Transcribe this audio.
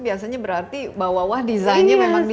biasanya berarti bawah bawah desainnya memang